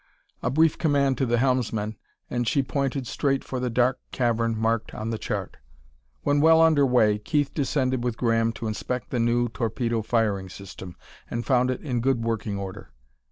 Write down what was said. A brief command to the helmsman and she pointed straight for the dark cavern marked on the chart. When well under way, Keith descended with Graham to inspect the new torpedo firing system, and found it in good working order.